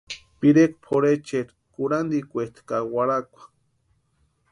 Pirekwa pʼorhecheri kurhantikwaesti ka warhakwa.